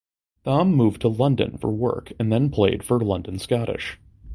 Thom moved to London for work and then played for London Scottish.